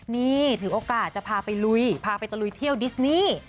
นี่ถือโอกาสจะพาไปลุยพาไปตะลุยเที่ยวดิสนี่